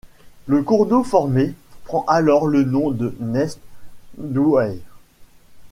Le cours d'eau formé prend alors le nom de Neste d'Oueil.